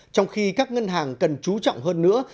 trong khi các ngân hàng cần chú trọng hơn nữa